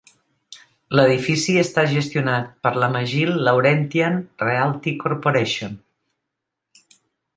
L'edifici està gestionat per la Magil Laurentian Realty Corporation.